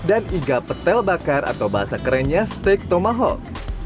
dan iga petel bakar atau bahasa kerennya steak tomahawk